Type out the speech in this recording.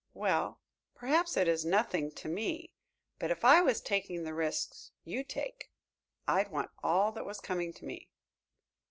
"Well, perhaps it is nothing to me, but if I was taking the risks you take I'd want all that was coming to me."